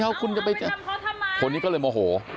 เอาละไปทำเพราะทำไมคนนี้ก็เลยโมโห